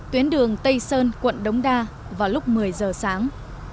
tuyến đường tây sơn quận đống đa vào lúc một mươi giờ sáng